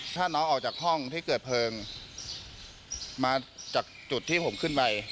ถ้าน้องออกจากห้องที่เกิดเพลิงมาจากจุดที่ผมขึ้นไป